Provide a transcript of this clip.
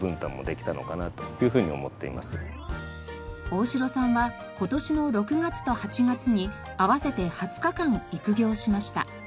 大城さんは今年の６月と８月に合わせて２０日間育業しました。